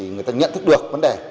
người ta nhận thức được vấn đề